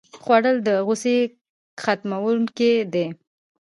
خوړل د غوسې ختموونکی دی